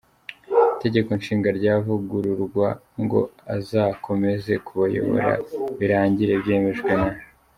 itegeko nshinga ryavugururwa ngo azakomeze kubayobora, birangira byemejwe na.